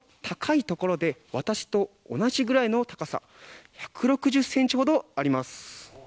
一番高いところで私と同じぐらいの高さ１６０センチほどあります。